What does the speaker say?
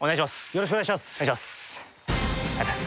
よろしくお願いします。